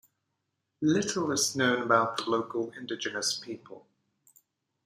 Little is known about the local indigenous people.